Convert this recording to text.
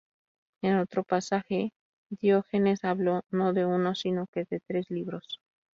En otro pasaje Diógenes habla no de uno sino que de tres libros.